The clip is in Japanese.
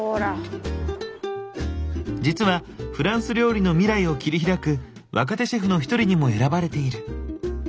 実はフランス料理の未来を切り開く若手シェフの一人にも選ばれている。